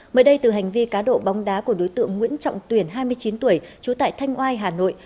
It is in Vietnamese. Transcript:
mới đây từ hành vi cá độ bóng đá của đối tượng nguyễn trọng tuyển hai mươi chín tuổi trú tại thanh oai hà nội